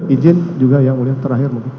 ijin juga yang mulia terakhir mungkin